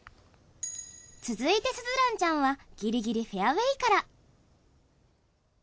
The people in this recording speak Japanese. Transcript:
続いて鈴蘭ちゃんはギリギリフェアウェイから。